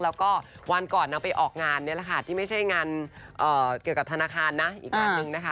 แล้วก็วันก่อนนางไปออกงานนี่แหละค่ะที่ไม่ใช่งานเกี่ยวกับธนาคารนะอีกงานหนึ่งนะคะ